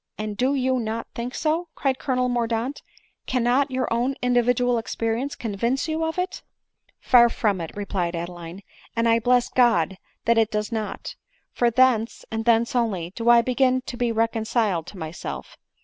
" And do you not think so ?" cried Colonel Mordaunt ;" cannot your own individual experience convince you " Far from it, " replied Adeline ;" and I bless God that it does not ; for thence, and thence only, do I begin to be reconciled to myself.